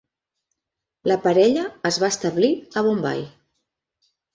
La parella es va establir a Bombai.